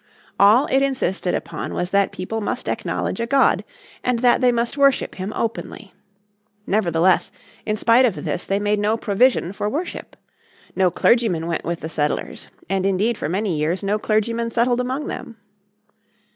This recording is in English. All it insisted upon was that people must acknowledge a God, and that they must worship Him openly. Nevertheless, in spite of this they made no provision for worship. No clergymen went with the settlers, and indeed for many years no clergymen settled among them.